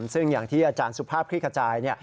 ซึ่งอย่างที่อาจารย์สุภาพคลิกขจาย